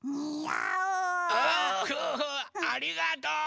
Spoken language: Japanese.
おありがとう！